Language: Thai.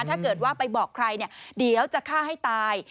ถ้าเกิดว่าไปบอกใครเดี๋ยวจะฆ่าให้ตาย